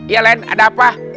iya len ada apa